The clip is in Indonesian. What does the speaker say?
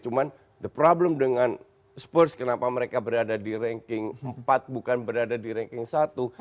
cuman the problem dengan spurs kenapa mereka berada di ranking empat bukan berada di ranking satu